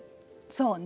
そうね。